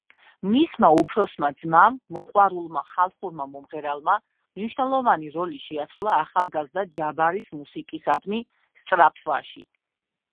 მისმა უფროსმა ძმამ, მოყვარულმა ხალხურმა მომღერალმა მნიშვნელოვანი როლი შეასრულა ახალგაზრდა ჯაბარის მუსიკისადმი სწრაფვაში.